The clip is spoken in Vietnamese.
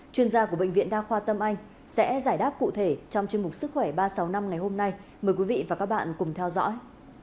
chuyên gia của bệnh viện đa khoa tâm anh sẽ giải đáp cụ thể trong chuyên mục sức khỏe ba trăm sáu mươi năm ngày hôm nay mời quý vị và các bạn cùng theo dõi